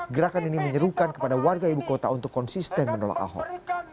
gerakan ini menyerukan kepada warga ibu kota untuk konsisten menolak ahok